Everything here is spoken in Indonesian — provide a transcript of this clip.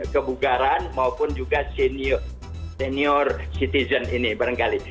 kebugaran maupun juga senior citizen ini barangkali